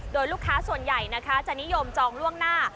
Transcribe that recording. โดยลูกค้าส่วนใหญ่นะคะจะนิยมจองล่วงหน้า